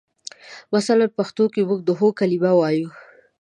مثلاً پښتو کې موږ د هو کلمه وایو.